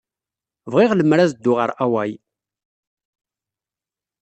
Bɣiɣ lemmer ad dduɣ ɣer Hawai.